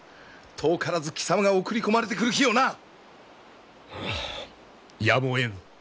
遠からず貴様が送り込まれてくる日をな！はあやむをえぬ。